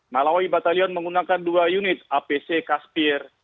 malawi batalion menggunakan dua unit apc kaspir